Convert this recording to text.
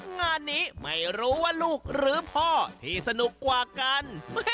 งานนี้ไม่รู้ว่าลูกหรือพ่อที่สนุกกว่ากัน